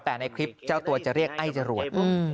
ที่เจ้าตัวจะเรียกไอ้จรวด